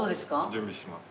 準備します。